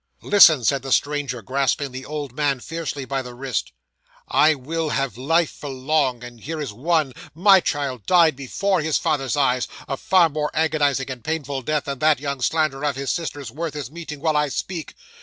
'"Listen," said the stranger, grasping the old man fiercely by the wrist; "I will have life for life, and here is one. My child died, before his father's eyes, a far more agonising and painful death than that young slanderer of his sister's worth is meeting while I speak.